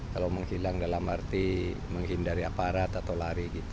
kalau menghilang dalam arti menghindari aparat atau lari gitu